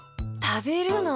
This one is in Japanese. たべるの？